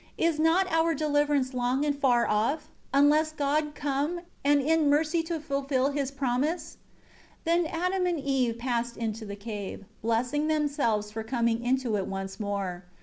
Is not our deliverance long and far off, unless God come, and in mercy to us fulfil His promise?" 3 Then Adam and Eve passed into the cave, blessing themselves for coming into it once more.